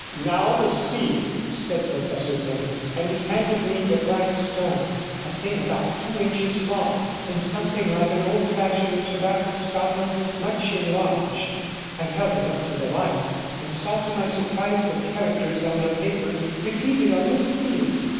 'Now the seal,' said Professor Gregg, and he handed me the black stone, a thing about two inches long, and something like an old fashioned tobacco stopper, much enlarged. I held it up to the light, and saw to my surprise the characters on the paper repeated on the seal.